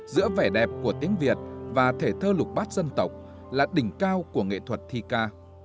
giữa vẻ đẹp của tiếng việt và thể thơ lục bát dân tộc là đỉnh cao của nghệ thuật thi ca